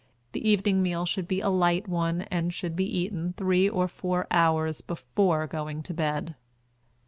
The evening meal should be a light one and should be eaten three or four hours before going to bed.